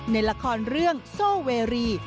ในละครเรื่องโซเวรี